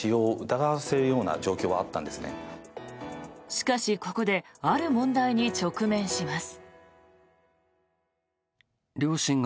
しかし、ここである問題に直面します。